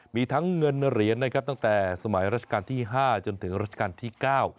มีทั้งเงินน่ะเหรียญตั้งแต่สมัยราชกาลที่๕จนถึงราชกาลที่๙